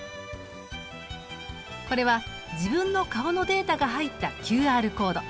これは自分の顔のデータが入ったＱＲコード。